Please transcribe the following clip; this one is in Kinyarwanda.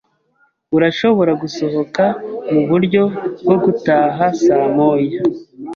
Urashobora gusohoka muburyo bwo gutaha saa moya.